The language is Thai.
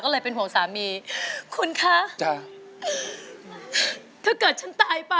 คุณจะเป็นคนดีเหลือเกิน